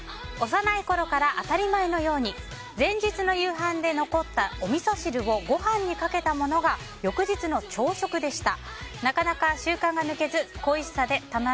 幼いころから当たり前のように前日の夕飯で残ったおみそ汁をご飯にかけたものが翌日の朝食でした。